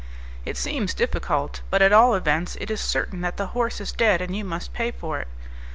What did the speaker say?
"It seems difficult; but at all events it is certain that the horse is dead, and you must pay for it."